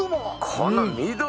この緑！